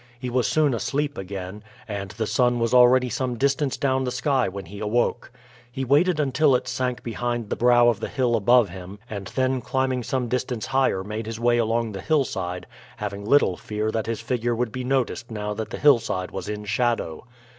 He was soon asleep again, and the sun was already some distance down the sky when he awoke. He waited until it sank behind the brow of the hill above him, and then climbing some distance higher made his way along the hillside, having little fear that his figure would be noticed now that the hillside was in shadow.